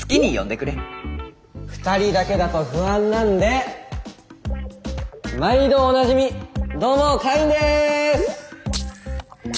２人だけだと不安なんで毎度おなじみどうもカインです！